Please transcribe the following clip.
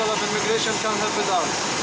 orang orang imigrasi bisa membantu kita